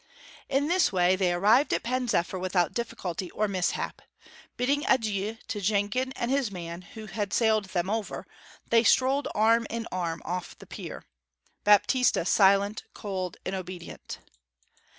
In this way they arrived at Pen zephyr without difficulty or mishap. Bidding adieu to Jenkin and his man, who had sailed them over, they strolled arm in arm off the pier, Baptista silent, cold, and obedient.